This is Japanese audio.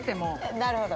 なるほど。